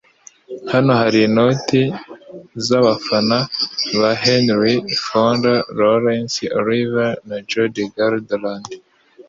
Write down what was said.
Hano hari inoti zabafana ba Henry Fonda, Laurence Olivier na Judy Garland